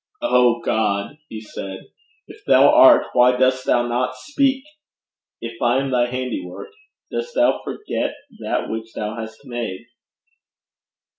'O God,' he said, 'if thou art, why dost thou not speak? If I am thy handiwork dost thou forget that which thou hast made?'